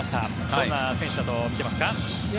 どんな選手だと見ていますか？